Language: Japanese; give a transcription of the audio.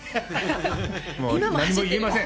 もう何も言えません。